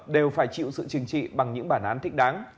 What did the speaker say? đều phải chịu sự chừng trị bằng những bản án thích đáng